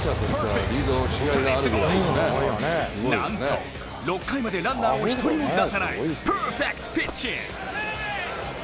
なんと６回までランナーを一人も出さないパーフェクトピッチング。